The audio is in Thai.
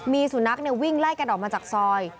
มีสุนัขวิ่งไล่กันออกมาจากซอย